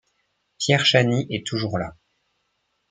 Pierre Chany est toujours là.